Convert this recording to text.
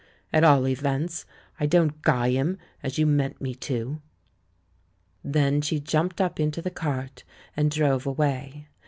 At all events, I don't guy him, as you meant me to." Then she jumped up into the "cart" and drove away.